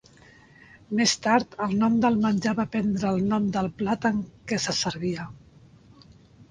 Més tard, el nom del menjar va prendre el nom del plat en què se servia.